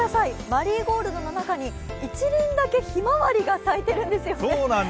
マリーゴールドの中に１輪だけひまわりが咲いているんですよね。